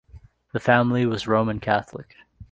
The family was Roman Catholic.